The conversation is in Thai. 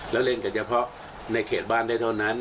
แล้วเล่นกันเฉพาะในเขตบ้านได้เท่านั้น